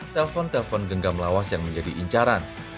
telpon telpon genggam lawas yang menjadi incaran